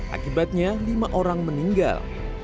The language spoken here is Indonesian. akibatnya lima orang meninggal